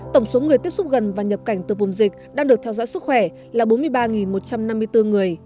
tổng số người tiếp xúc gần và nhập cảnh từ vùng dịch đang được theo dõi sức khỏe là bốn mươi ba một trăm năm mươi bốn người